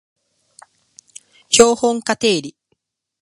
標本化定理